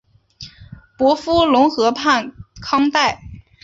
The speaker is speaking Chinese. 伯夫龙河畔康代。